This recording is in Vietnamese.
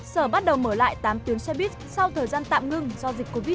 sở bắt đầu mở lại tám tuyến xe buýt sau thời gian tạm ngưng do dịch covid một mươi chín